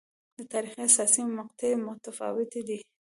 د تاریخ حساسې مقطعې متفاوتې دي.